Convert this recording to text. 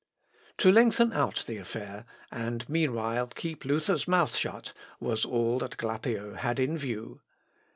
To lengthen out the affair, and meanwhile keep Luther's mouth shut, was all that Glapio had in view.